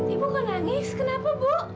ibu gak nangis kenapa bu